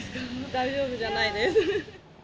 大丈夫じゃないです。